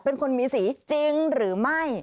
เป็นคนมีสีจริงหรือไม่